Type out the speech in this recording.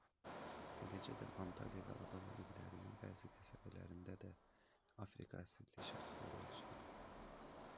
Eləcə də Antalya və Adana illərinin bəzi qəsəbələrində də Afrika əsilli şəxslər yaşayırlar.